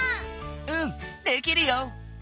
うんできるよ。